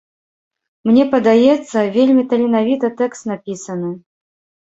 Мне падаецца, вельмі таленавіта тэкст напісаны.